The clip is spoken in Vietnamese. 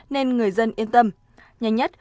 nên người dân yên tâm nhanh nhất